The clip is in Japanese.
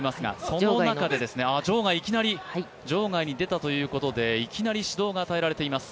その中で場外に出たということでいきなり指導が与えられています。